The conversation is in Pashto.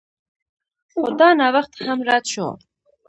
خو دا نوښت هم رد شو.